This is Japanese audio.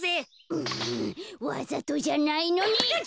うわざとじゃないのに。